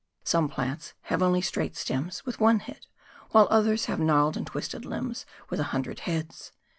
Some plants have only straight stems and one head, while others have gnarled and twisted limbs with a hundred heads.